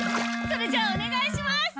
それじゃあおねがいします！